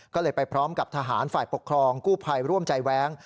ก็เลยไปพร้อมกับทหารฝ่ายปกครองกู้ภัยร่วมใจแว้ง